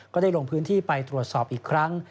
ก็ได้ลงพื้นที่ไปตรวจสอบอีกครั้ง